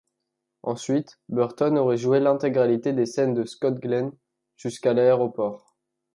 Ensuite Burton aurait joué l'intégralité des scènes de Scott Glenn jusqu'à l'aéroport.